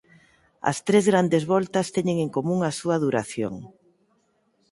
As tres Grandes Voltas teñen en común a súa duración.